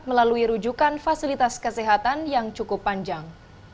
melalui rujukan fasilitas kesehatan yang cukup panjang